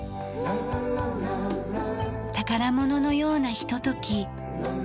宝物のようなひととき。